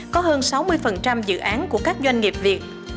có hơn sáu mươi dự án của các doanh nghiệp việt